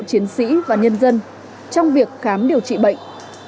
chiến sĩ và nhân dân trong việc khám điều trị bệnh